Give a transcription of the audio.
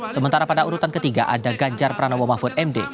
sementara pada urutan ketiga ada ganjar pranowo mahfud md